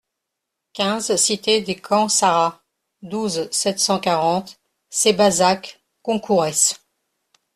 quinze cité des Camps Sarrats, douze, sept cent quarante, Sébazac-Concourès